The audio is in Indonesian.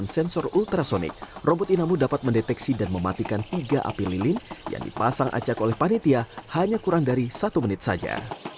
sensor ultrasonic robot inamu dapat mendeteksi dan mematikan tiga api lilin yang dipasang acak oleh panitia hanya kurang dari satu menit saja